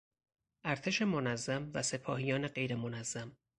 ارتش منظم و سپاهیان غیر منظم